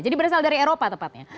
jadi berasal dari eropa tepatnya